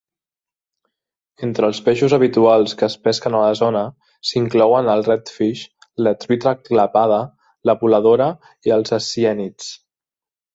Entre els peixos habituals que es pesquen a la zona s'inclouen el redfish, la truita clapada, la voladora i els esciènids.